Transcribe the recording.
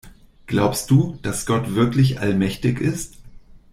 Glaubst du, dass Gott wirklich allmächtig ist?